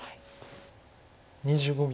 ２５秒。